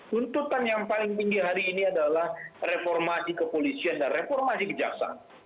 tuntutan yang paling tinggi hari ini adalah reformasi kepolisian dan reformasi kejaksaan